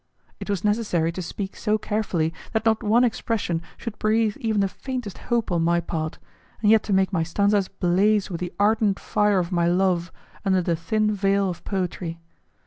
It was necessary to speak so carefully that not one expression should breathe even the faintest hope on my part, and yet to make my stanzas blaze with the ardent fire of my love under the thin veil of poetry.